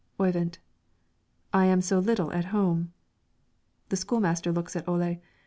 Oyvind: "I am so little at home." The school master looks at Ole.